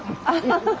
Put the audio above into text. アハハハ！